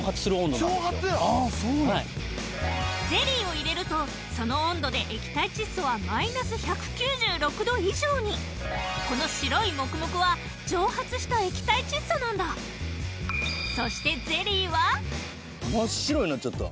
ゼリーを入れるとその温度で液体窒素はマイナス１９６度以上にこの白いモクモクは蒸発した液体窒素なんだそして真っ白になっちゃった